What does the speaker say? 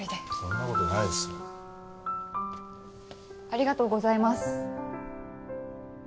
ありがとうございます。